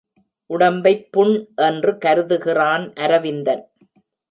உடம்பைப் புண் என்று கருதுகிறான் அரவிந்தன்.